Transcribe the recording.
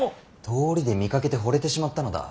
通りで見かけてほれてしまったのだ。